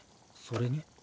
それに？